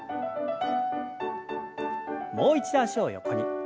もう一度脚を横に。